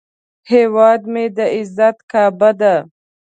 هیواد مې د عزت کعبه ده